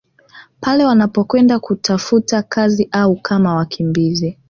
Pale wanapokwenda kutafuta kazi au kama wakimbizi